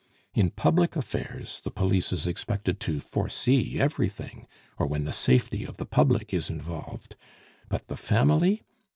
In public affairs the Police is expected to foresee everything, or when the safety of the public is involved but the family?